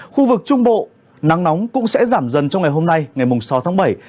khu vực trung bộ nắng nóng cũng sẽ giảm dần trong ngày hôm nay ngày sáu tháng bảy